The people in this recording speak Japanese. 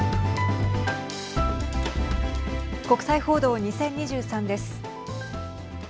国際報道２０２３です。